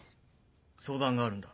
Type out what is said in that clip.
相談があるんだ